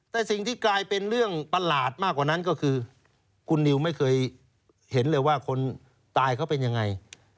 แต่สิ่งที่กลายเป็นเรื่องประหลาดมากกว่านั้นก็คือคุณนิวไม่เคยเห็นเลยว่าคนตายเขาเป็นยังไง